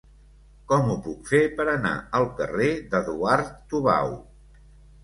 Com ho puc fer per anar al carrer d'Eduard Tubau?